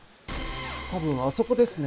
多分あそこですね。